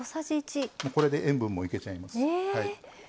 これで塩分もいけちゃいます。